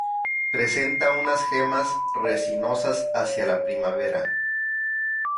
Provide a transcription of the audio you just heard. Presenta unas gemas resinosas hacia la primavera.